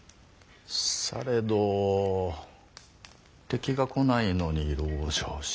されど敵が来ないのに籠城しても。